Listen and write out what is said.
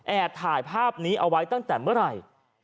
ถ่ายภาพนี้เอาไว้ตั้งแต่เมื่อไหร่